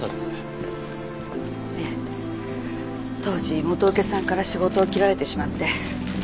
当時元請けさんから仕事を切られてしまって。